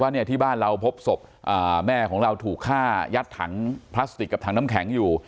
เนี่ยที่บ้านเราพบศพแม่ของเราถูกฆ่ายัดถังพลาสติกกับถังน้ำแข็งอยู่